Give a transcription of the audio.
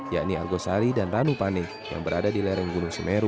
yakni argosari dan ranupane yang berada di lereng gunung semeru